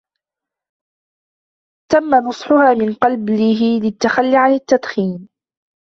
تم نصحهها من قبله للتخلي عن التدخين.